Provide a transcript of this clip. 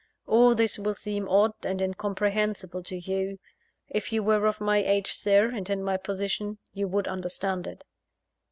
All this will seem odd and incomprehensible to you. If you were of my age, Sir, and in my position, you would understand it."